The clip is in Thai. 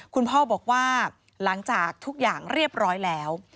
คุณพ่อบอกว่าหลังจากทุกอย่างเรียบร้อยแล้ว